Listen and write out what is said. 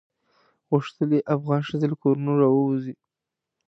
غوښتل یې افغان ښځې له کورونو راووزي.